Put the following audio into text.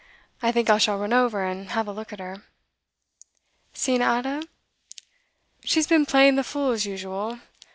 I think I shall run over and have a look at her. Seen Ada? She's been playing the fool as usual.